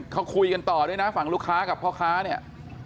เขาคุยกันต่อด้วยนะฝั่งลูกค้ากับพ่อค้าเนี่ย